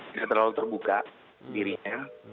tidak terlalu terbuka dirinya